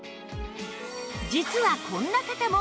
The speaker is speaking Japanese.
実はこんな方もご愛用